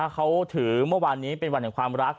เขาถือเมื่อวานนี้เป็นวันแห่งความรัก